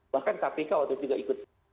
bahkan kpk waktu itu juga ikut